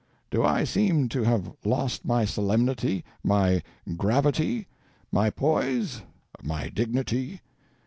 Do I seem to have lost my solemnity, my gravity, my poise, my dignity?